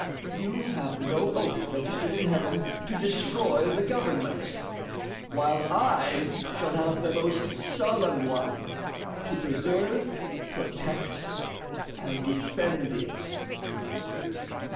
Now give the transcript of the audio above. YOU have no oath registered in heaven to destroy the government, while I shall have the most solemn one to "preserve, protect, and defend it."